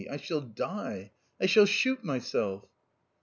I shall die. I shall shoot myself."